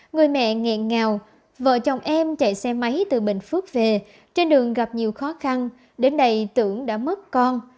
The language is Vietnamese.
người mẹ nghẹn ngào vợ chồng em chạy xe máy từ bình phước về trên đường gặp nhiều khó khăn đến đây tưởng đã mất con